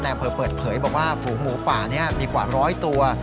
อำเภอเปิดเผยบอกว่าฝูงหมูป่านี้มีกว่าร้อยตัว